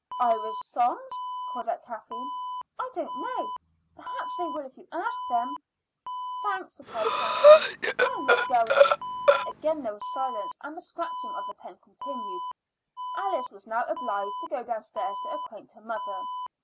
"Irish songs?" called out Kathleen. "I don't know. Perhaps they will if you ask them." "Thanks," replied Kathleen; "I am not going." Again there was silence, and the scratching of the pen continued. Alice was now obliged to go downstairs to acquaint her mother.